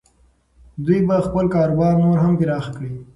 دوی به خپل کاروبار نور هم پراخ کړي.